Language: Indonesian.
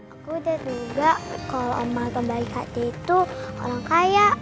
aku udah duga kalo om mal kembali ke hd itu orang kaya